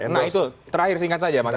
nah itu terakhir singkat saja mas